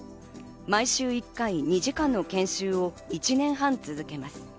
毎週１回、２時間の研修を１年半続けます。